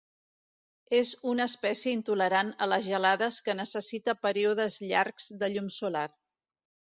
És una espècie intolerant a les gelades que necessita períodes llargs de llum solar.